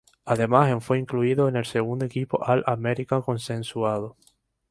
Además, en fue incluido en el segundo equipo All-American consensuado.